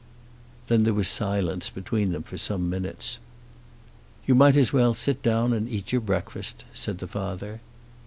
Then there was silence between them for some minutes. "You might as well sit down and eat your breakfast," said the father.